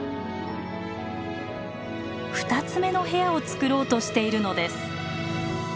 ２つ目の部屋を作ろうとしているのです。